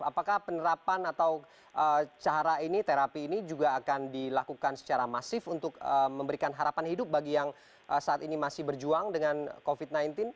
apakah penerapan atau cara ini terapi ini juga akan dilakukan secara masif untuk memberikan harapan hidup bagi yang saat ini masih berjuang dengan covid sembilan belas